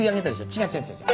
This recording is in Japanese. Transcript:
違う違う違う。